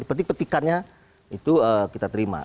petikannya itu kita terima